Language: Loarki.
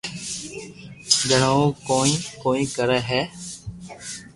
جڻي او ڪوئي ڪوئي ڪري ھي